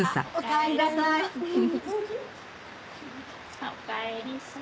あっおかえりなさい。